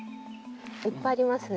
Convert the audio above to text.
いっぱいありますね。